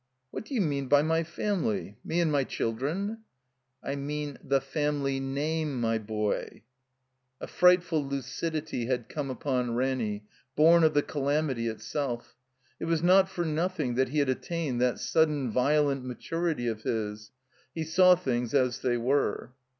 "What do you mean by my family? Me and my children?" "I mean the family name, my boy." A frightftil lucidity had come upon Ranny, bom of the calamity itself. It was not for nothing that he had attained that sudden violent maturity of his. He saw things as they were.